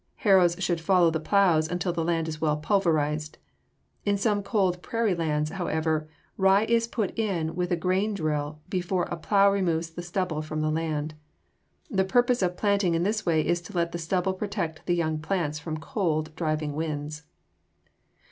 Harrows should follow the plows until the land is well pulverized. In some cold prairie lands, however, rye is put in with a grain drill before a plow removes the stubble from the land. The purpose of planting in this way is to let the stubble protect the young plants from cold, driving winds.